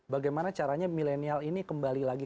bagaimana caranya milenial ini kembali lagi